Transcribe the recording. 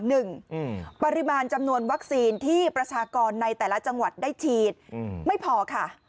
หนึ่งปริมาณจำนวนวัคซีนที่ประชากรในแต่ละจังหวัดได้ฉีดไม่พอค่ะ